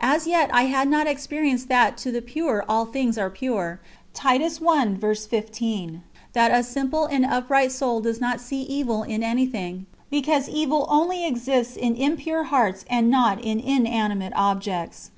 As yet I had not experienced that "to the pure all things are pure," that a simple and upright soul does not see evil in anything, because evil only exists in impure hearts and not in inanimate objects.